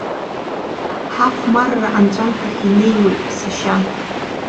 Ҳахәмарра анҵәамҭахь инеиуеит, сашьа.